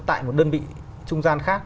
tại một đơn vị trung gian khác